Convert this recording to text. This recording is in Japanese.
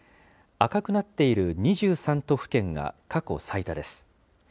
赤くなっている２３都府県が過去最多です。